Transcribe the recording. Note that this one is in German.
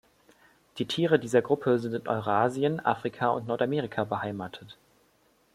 Die Tiere dieser Gruppe sind in Eurasien, Afrika und Nordamerika beheimatet.